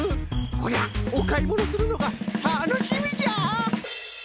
こりゃおかいものするのがたのしみじゃ！